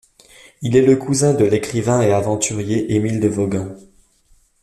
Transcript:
Il est le cousin de l'écrivain et aventurier Émile de Wogan.